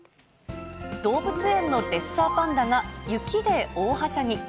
動物園のレッサーパンダが、雪で大はしゃぎ。